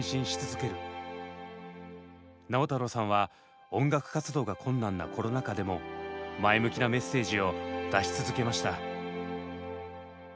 直太朗さんは音楽活動が困難なコロナ禍でも前向きなメッセージを出し続けました。